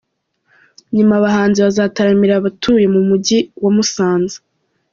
Nyuma abahanzi bazataramira abatuye mu mujyi wa Musanze.